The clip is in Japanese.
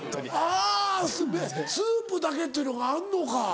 あぁスープだけっていうのがあんのか。